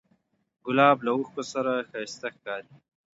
ګلاب له اوښکو سره هم ښایسته ښکاري.